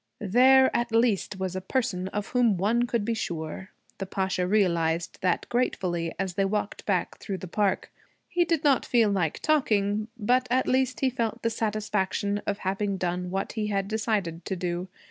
There at least was a person of whom one could be sure! The Pasha realized that gratefully, as they walked back through the park. He did not feel like talking, but at least he felt the satisfaction of having done what he had decided to do.